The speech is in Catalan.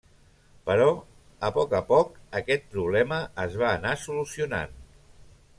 Però a poc a poc aquest problema es va anar solucionant.